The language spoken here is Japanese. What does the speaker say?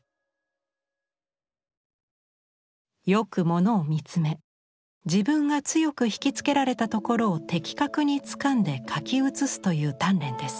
よく物を見つめ自分が強く引きつけられたところを的確につかんで描き写すという鍛練です。